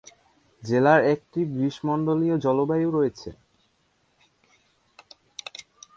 জেলার একটি গ্রীষ্মমণ্ডলীয় জলবায়ু রয়েছে।